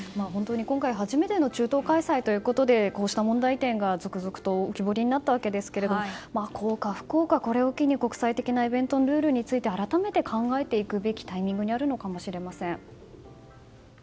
今回、初めての中東開催ということでこうした問題点が続々と浮き彫りになったわけですが幸か不幸か、これを機に国際的なイベントのルールについて改めて考えていくべきタイミングなのかもしれません。